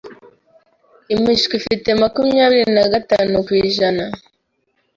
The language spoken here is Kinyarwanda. imishwi ifite makumyabiri nagatanu kw’ijana